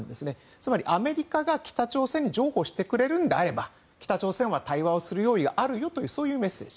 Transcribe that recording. つまり、アメリカが北朝鮮に譲歩してくれるんであれば北朝鮮が対話をする用意はあるよというメッセージ。